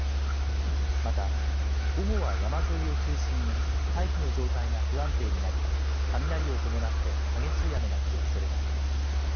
また、午後は山沿いを中心に大気の状態が不安定になり、雷を伴って激しい雨が降るおそれがあります。